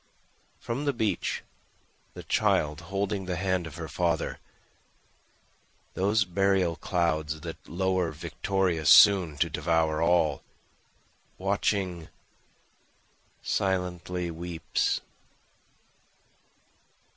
From the beach the child holding the hand of her father, Those burial clouds that lower victorious soon to devour all, Watching, silently weeps.